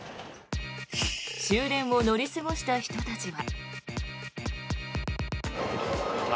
終電を乗り過ごした人たちは。